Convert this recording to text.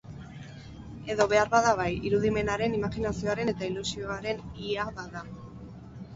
Edo behar bada bai, irudimenaren, imajinazioaren edo ilusioaren i-a bada.